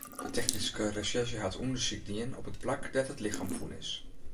De technyske resjerzje hat ûndersyk dien op it plak dêr't it lichem fûn is.